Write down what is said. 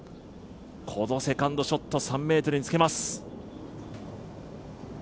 このセカンドショット３ｍにつけます。